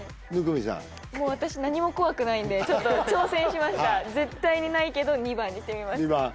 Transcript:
生見さんもう私何も怖くないんで挑戦しました絶対にないけど２番にしてみました